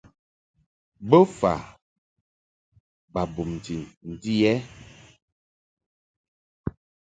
Bofa ba bumti ndi ɛ?